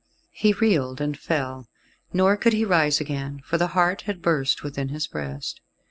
He reeled and fell, nor could he rise again, for the heart had burst within his breast.